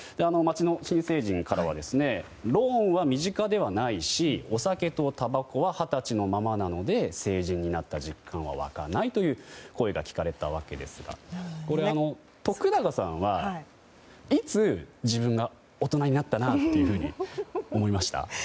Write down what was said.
街の新成人からはローンは身近ではないしお酒とたばこは二十歳のままなので成人になった実感は湧かないという声が聞かれたわけですがこれ、徳永さんはいつ、自分が大人になったなというふうに思いました？